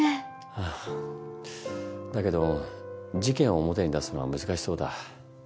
ああだけど事件を表に出すのは難しそうだ。